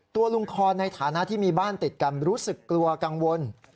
ตัวลุงคอนในฐานะที่มีบ้านติดกันรู้สึกกลัวกังวล